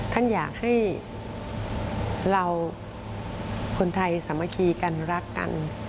ท่านอยากให้เราคนไทยสามัคคีกันรักกัน